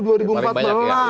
lebih banyak ya